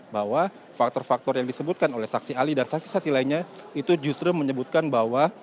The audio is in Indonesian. bahwa faktor faktor yang disebutkan oleh saksi ahli dan saksi saksi lainnya itu justru menyebutkan bahwa